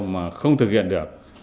mà không thực hiện được